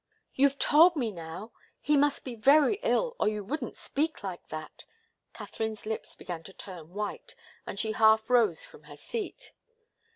"You've told me, now he must be very ill, or you wouldn't speak like that!" Katharine's lips began to turn white, and she half rose from her seat.